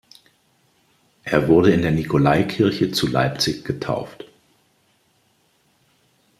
Er wurde in der Nikolaikirche zu Leipzig getauft.